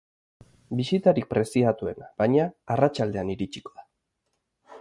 Bisitarik preziatuena, baina, arratsaldean iritsiko da.